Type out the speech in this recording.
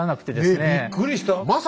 ねっびっくりした。